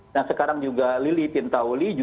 dan sekarang juga lili pintauli